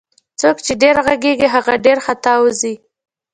څوک چي ډير ږغږي هغه ډير خطاوزي